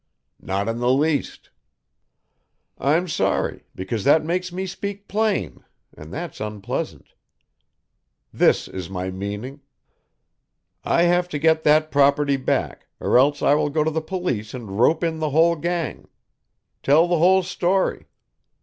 "Not in the least." "I'm sorry, because that makes me speak plain, and that's unpleasant. This is my meaning. I have to get that property back, or else I will go to the police and rope in the whole gang. Tell the whole story.